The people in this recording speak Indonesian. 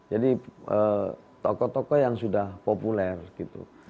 jadi tokoh tokoh yang sudah populer gitu